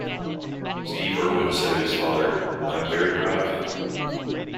Steve Irwin said of his father: I'm very proud of him.